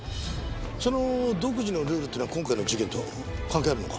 その独自のルールっていうのは今回の事件と関係あるのか？